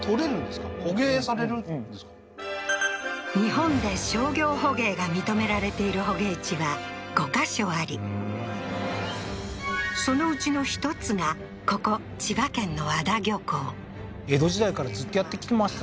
うん日本で商業捕鯨が認められている捕鯨地は５ヵ所ありそのうちの１つがここ江戸時代からずっとやってきてました